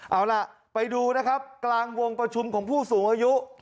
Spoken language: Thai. เอาล่ะไปดูนะครับกลางวงประชุมของผู้สูงอายุ